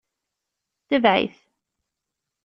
Tbeɛ-it.